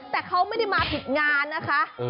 แต่เขาไม่ได้มาผิดงานนะคะ